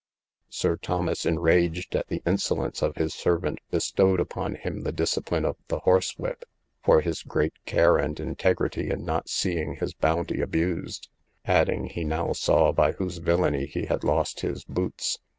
Sir Thomas, enraged at the insolence of his servant, bestowed upon him the discipline of the horse whip, for his great care and integrity in not seeing his bounty abused; adding, he now saw by whose villany he had lost his boots.